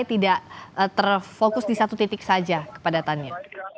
terfokus di satu titik saja kepada tanya